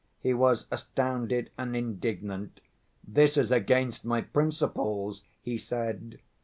He was astounded and indignant. 'This is against my principles!' he said.